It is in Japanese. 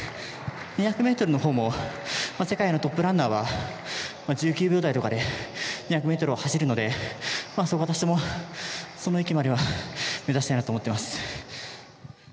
２００ｍの方も世界のトップランナーは１９秒台とかで２００ｍを走るので私もその域までは目指したいなと思ってます